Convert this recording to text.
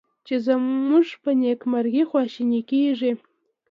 چې زمونږ په نیکمرغي خواشیني کیږي